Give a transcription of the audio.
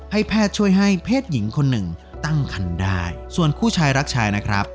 ให้แพทย์ช่วยให้เพศหญิงคนหนึ่งตั้งคันได้ส่วนคู่ชายรักชายนะครับ